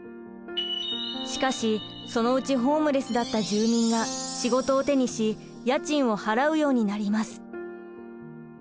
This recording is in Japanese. しかしそのうちホームレスだった住民が仕事を手にし家賃を払うようになります。